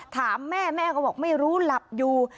ถามแม่แม่ก็บอกไม่รู้หลับอยู่